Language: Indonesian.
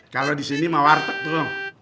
kalau di sini mawartek tuh